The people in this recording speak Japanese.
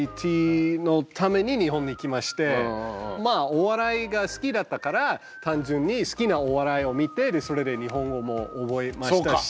ＩＴのために日本に来ましてまあお笑いが好きだったから単純に好きなお笑いを見てでそれで日本語も覚えましたし。